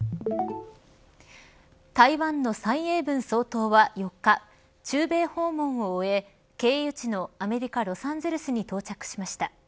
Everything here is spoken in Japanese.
台湾の蔡英文総統は４日中米訪問を終え経由地のアメリカロサンゼルスに到着しました。